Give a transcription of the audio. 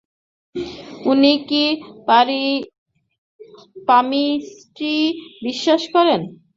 উনি কি পামিস্ট্রি বিশ্বাস করতেন?